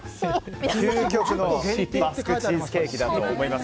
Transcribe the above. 究極のバスクチーズケーキだと思います。